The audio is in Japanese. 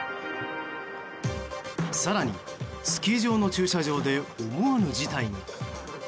更に、スキー場の駐車場で思わぬ事態が。